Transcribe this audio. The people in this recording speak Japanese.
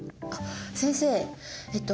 先生えっと